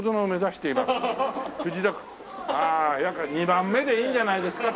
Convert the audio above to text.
２番目でいいんじゃないですか？